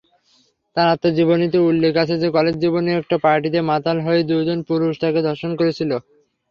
তার আত্মজীবনীতে উল্লেখ আছে যে, কলেজ জীবনে একটা পার্টিতে মাতাল হয়ে দুজন পুরুষ তাকে ধর্ষণ করেছিল।